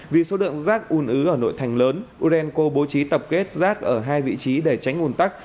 vì số lượng rác un ứ ở nội thành lớn urenco bố trí tập kết rác ở hai vị trí để tránh ủn tắc